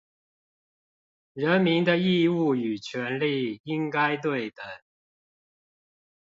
人民的義務與權利應該對等